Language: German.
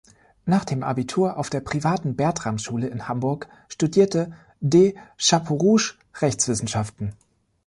Nach dem Abitur auf der privaten "Bertram-Schule" in Hamburg studierte de Chapeaurouge Rechtswissenschaften.